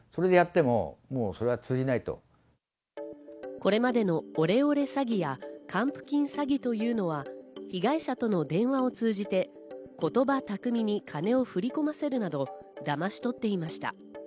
これまでのオレオレ詐欺や還付金詐欺というのは、被害者との電話を通じて言葉巧みに金を振り込ませるなど、だまし取っていました。